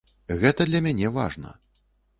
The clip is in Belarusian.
Гэта для мяне важна.